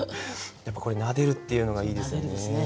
やっぱこれ「撫でる」っていうのがいいですよね。